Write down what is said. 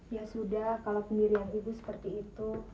ya sudah kalau pendirian ibu seperti itu